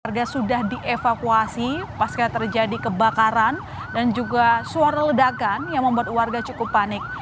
warga sudah dievakuasi pasca terjadi kebakaran dan juga suara ledakan yang membuat warga cukup panik